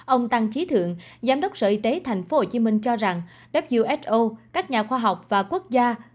ông tăng trí thượng giám đốc sở y tế tp hcm cho rằng who các nhà khoa học và quốc gia